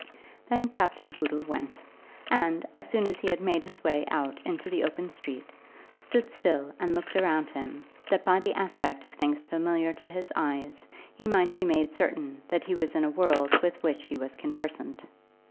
Then Captain Boodle went, and, as soon as he had made his way out into the open street, stood still and looked around him, that by the aspect of things familiar to his eyes he might be made certain that he was in a world with which he was conversant.